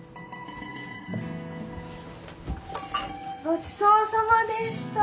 ごちそうさまでした！